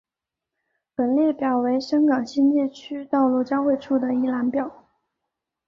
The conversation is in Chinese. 本列表为香港新界区道路交汇处的一览表。